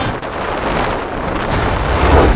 aku akan menang